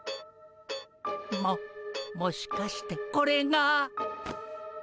ももしかしてこれが。